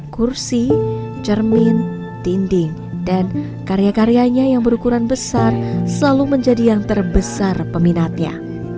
kursi cermin dinding dan karya karyanya yang berukuran besar selalu menjadi yang terbesar peminatnya